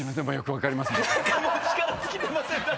もう力尽きてません